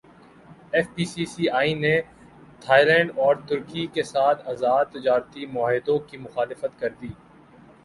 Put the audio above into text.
F P سی سی ائی نے Thailand اور ترکی کیساتھ ازاد تجارتی معاہدوں کی مخالفت کردی